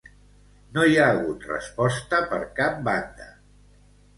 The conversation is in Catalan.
No hi ha hagut resposta per cap banda.